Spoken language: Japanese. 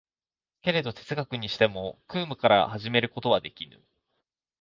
けれど哲学にしても空無から始めることはできぬ。